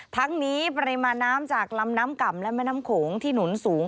ทั้งนี้ปริมาณน้ำจากลำน้ำก่ำและแม่น้ำโขงที่หนุนสูง